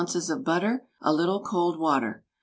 of butter, a little cold water.